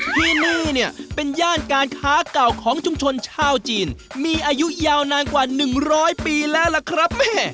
ที่นี่เนี่ยเป็นย่านการค้าเก่าของชุมชนชาวจีนมีอายุยาวนานกว่า๑๐๐ปีแล้วล่ะครับแม่